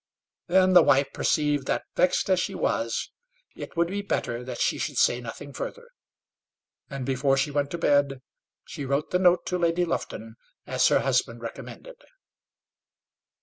Then the wife perceived that, vexed as she was, it would be better that she should say nothing further; and before she went to bed, she wrote the note to Lady Lufton, as her husband recommended.